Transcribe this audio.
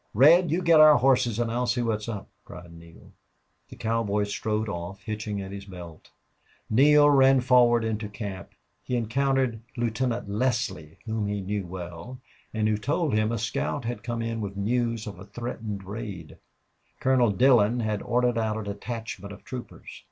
"Red, you get our horses and I'll see what's up," cried Neale. The cowboy strode off, hitching at his belt. Neale ran forward into camp. He encountered Lieutenant Leslie, whom he knew well, and who told him a scout had come in with news of a threatened raid; Colonel Dillon had ordered out a detachment of troopers.